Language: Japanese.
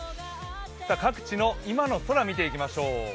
各地の今の空を見ていきましょう。